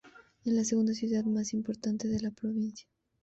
Es la segunda ciudad más importante de la provincia.